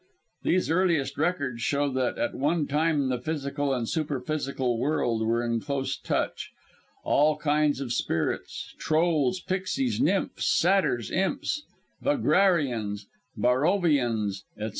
These earliest records show that at one time the physical and superphysical world were in close touch; all kinds of spirits trolls, pixies, nymphs, satyrs, imps, Vagrarians, Barrowvians, etc.